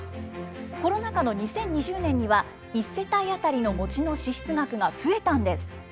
コロナ禍の２０２０年には、１世帯当たりの餅の支出額が増えたんです。